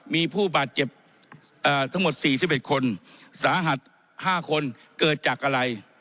มีผู้บาดเจ็บทั้งหมด๔๑คนสาหัส๕คนเกิดจากอะไร